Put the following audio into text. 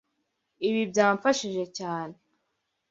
Ibi byamfashije cyane.